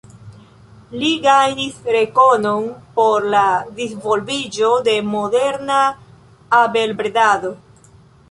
Li gajnis rekonon por la disvolviĝo de moderna abelbredado.